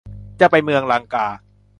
จะไปเมืองลังกา